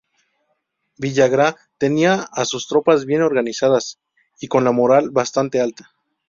Villagra tenía a sus tropas bien organizadas y con la moral bastante alta.